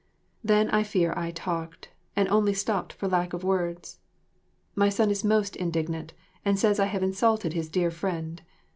Then I fear I talked, and only stopped for lack of words. My son is most indignant, and says I have insulted his dear friend.